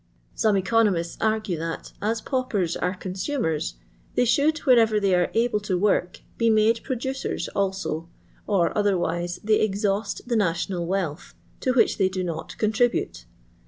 Some economists argue that, as paupers are con sumers, they should, whenever they are able to work, bo made producers also, or otherwise they exhaust the national wealth, to which they do not contribute.